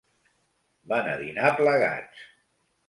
Van a dinar plegats.